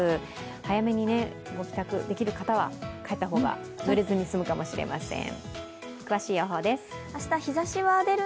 早めにご帰宅できる方は帰った方がぬれずに済むかもしれません。